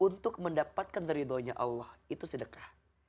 untuk mendapatkan ridhonya allah itu sedekah